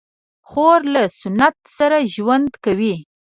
خور له سنت سره ژوند کوي.